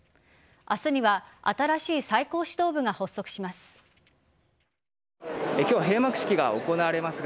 明日には新しい最高指導部が発足します。